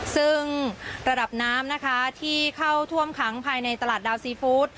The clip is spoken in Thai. ซึ่งระดับน้ำนะคะที่เข้าท่วมขังภายในตลาดดาวซีฟู้ด